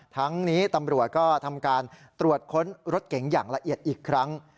ทั้งนี้ตำรวจก็ทำการตรวจค้นรถเก๋งอย่างละเอียดอีกครั้ง